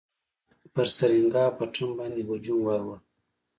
پر سرینګا پټم باندي هجوم ورووړ.